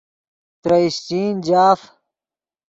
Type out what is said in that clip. ترے اشچین جاف